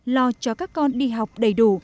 lo cho các con đi học đầy đủ